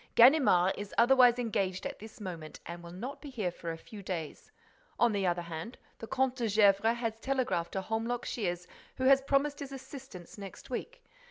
Ganimard is otherwise engaged at this moment and will not be here for a few days. On the other hand, the Comte de Gesvres has telegraphed to Holmlock Shears, who has promised his assistance next week.